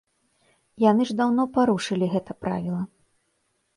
Яны ж даўно парушылі гэта правіла.